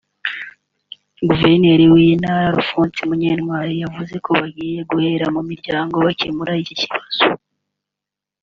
Guverineri w’iyi ntara Alphonse Munyantwali yavuze ko bagiye guhera mu miryango bakemura iki kibazo